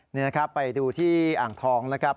นี่นะครับไปดูที่อ่างทองนะครับ